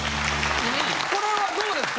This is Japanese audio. これはどうですか？